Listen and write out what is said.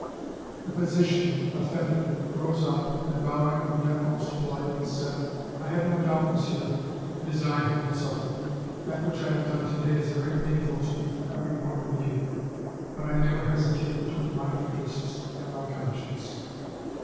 The physician, offended, rose up and bowing with the utmost politeness, said: "I have no doubt, Monsieur, it is I who will suffer. That which I have done to day is very painful to me from every point of view. But I never hesitate between my interests and my conscience."